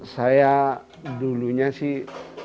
saya dulunya sih